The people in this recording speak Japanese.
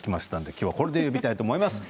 今日はこれで呼びたいと思います。